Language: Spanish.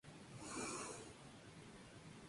El centro albergaba hasta cuarenta alumnos.